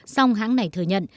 song hãng này thừa nhận